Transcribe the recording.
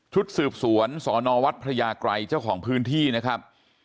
ชุดสืบสวนสอนอวัดพระยากรัยเจ้าของพื้นที่นะครับ